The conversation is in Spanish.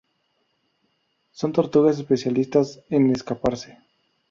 Son tortugas especialistas en escaparse.